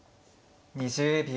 ２０秒。